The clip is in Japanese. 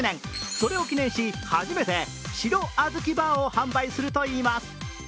それを記念し、初めて白あずきバーを販売するといいます。